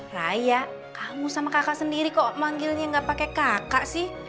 raya kamu sama kakak sendiri kok manggilnya gak pakai kakak sih